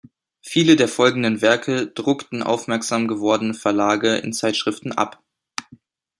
Viele der folgenden Werke druckten aufmerksam gewordene Verlage in Zeitschriften ab.